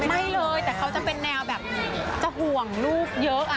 ไม่เลยแต่เขาจะเป็นแนวแบบจะห่วงลูกเยอะ